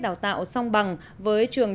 đào tạo song bằng với trường